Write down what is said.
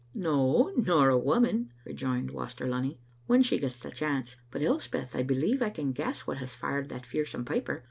"No, nor a woman," rejoined Waster Lunny, "when she gets the chance. But, Elspeth, I believe I can g^ess what has fired that fearsome piper.